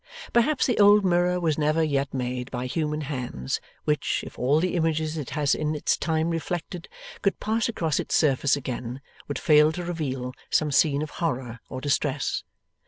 Perhaps the old mirror was never yet made by human hands, which, if all the images it has in its time reflected could pass across its surface again, would fail to reveal some scene of horror or distress.